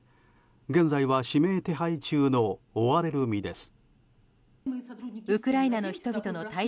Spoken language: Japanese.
現在は指名手配中の追われる身です。